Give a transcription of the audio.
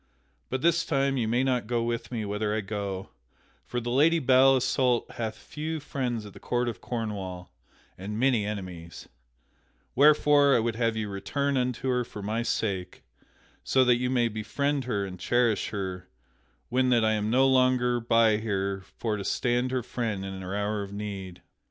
But this time you may not go with me whither I go, for the Lady Belle Isoult hath few friends at the court of Cornwall, and many enemies, wherefore I would have you return unto her for my sake, so that you may befriend her and cherish her when that I am no longer by her for to stand her friend in her hour of need.